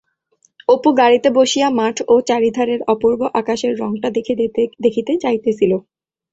অপু গাড়িতে বসিয়া মাঠ ও চারিধারের অপূর্ব আকাশের রংটা দেখিতে দেখিতে যাইতেছিল।